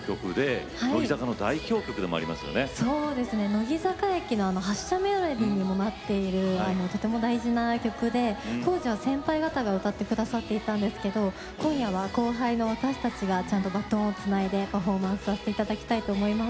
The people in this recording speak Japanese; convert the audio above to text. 乃木坂駅の発車メロディーにもなっているとても大事な曲で当時は先輩方が歌って下さっていたんですけど今夜は後輩の私たちがちゃんとバトンをつないでパフォーマンスさせて頂きたいと思います。